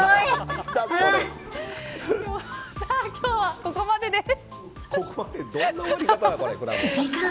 さあ今日はここまでです。